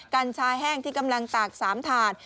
กัญชาแห้งที่กำลังตาก๓ถาด